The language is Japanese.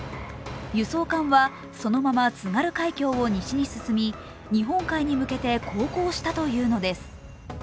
輸送艦はそのまま津軽海峡を西に進み日本海に向けて航行したというのです。